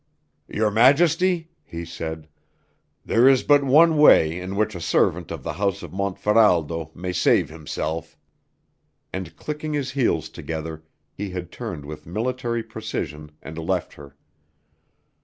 "Your Majesty," he said, "there is but one way in which a servant of the house of Montferaldo may save himself." And clicking his heels together, he had turned with military precision and left her.